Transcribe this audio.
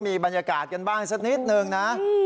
มีบรรยากาศกันบ้างสักนิดนึงนะ